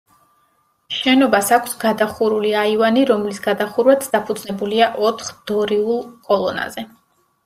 შენობას აქვს გადახურული აივანი, რომლის გადახურვაც დაფუძნებულია ოთხ დორიულ კოლონაზე.